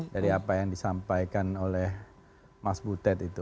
dari apa yang disampaikan oleh mas butet itu